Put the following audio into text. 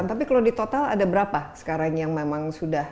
tapi kalau di total ada berapa sekarang yang memang sudah